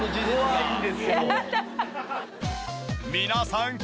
皆さん